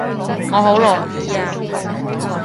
我好樂意啊